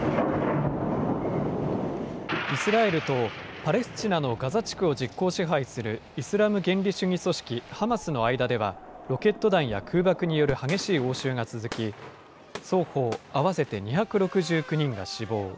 イスラエルとパレスチナのガザ地区を実効支配するイスラム原理主義組織ハマスの間では、ロケット弾や空爆による激しい応酬が続き、双方合わせて２６９人が死亡。